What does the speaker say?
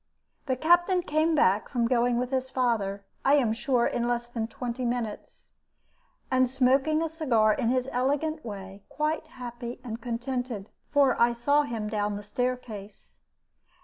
The Captain came back from going with his father, I am sure, in less than twenty minutes, and smoking a cigar in his elegant way, quite happy and contented, for I saw him down the staircase.